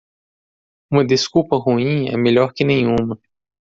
Uma desculpa ruim é melhor que nenhuma.